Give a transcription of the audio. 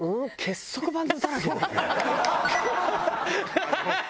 ハハハハ！